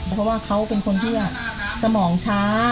เพราะว่าเขาเป็นคนที่สมองช้า